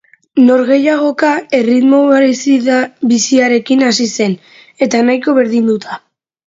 Norgehiagoka erritmo biziarekin hasi zen eta nahiko berdinduta.